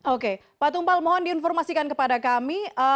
oke pak tumpal mohon diinformasikan kepada kami